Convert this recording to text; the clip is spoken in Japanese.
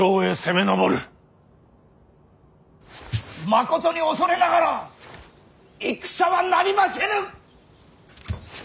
まことに恐れながら戦はなりませぬ！